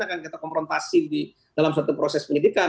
akan kita komprontasi dalam suatu proses penyelidikan